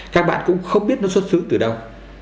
các bạn cũng không biết nó xuất xứ từ đâu